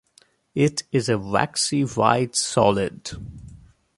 It is a waxy white solid.